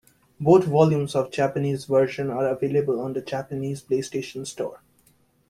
Both volumes of the Japanese version are available on the Japanese PlayStation Store.